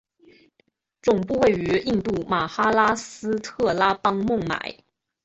总部位于印度马哈拉施特拉邦孟买。